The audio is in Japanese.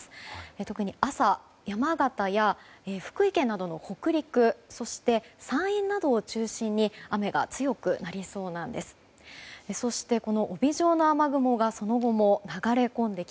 特に朝、山形や福井県などの北陸そして、山陰などを中心に雨が強くなりそうなんです。